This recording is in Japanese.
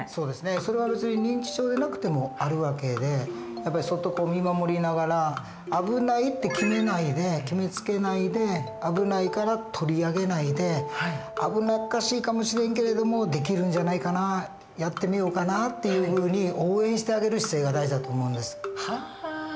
それは別に認知症でなくてもある訳でやっぱりそっと見守りながら危ないって決めないで決めつけないで危ないから取り上げないで危なっかしいかもしれんけれどもできるんじゃないかなやってみようかなっていうふうに応援してあげる姿勢が大事だと思うんです。